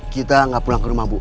kita nggak pulang ke rumah bu